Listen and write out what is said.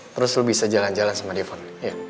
terus lo bisa jalan jalan sama devon iya